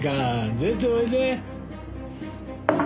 出ておいで。